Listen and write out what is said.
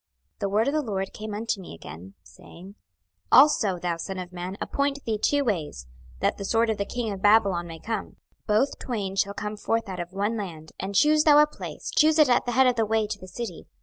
26:021:018 The word of the LORD came unto me again, saying, 26:021:019 Also, thou son of man, appoint thee two ways, that the sword of the king of Babylon may come: both twain shall come forth out of one land: and choose thou a place, choose it at the head of the way to the city.